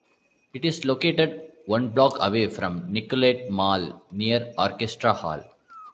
It is located one block away from Nicollet Mall near Orchestra Hall.